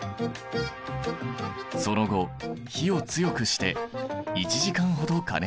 その後火を強くして１時間ほど加熱する。